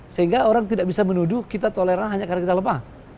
sehingga orang tidak bisa menuduh kita toleran hanya karena kita lemah